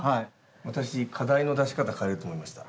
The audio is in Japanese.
私、課題の出し方変えると思いました。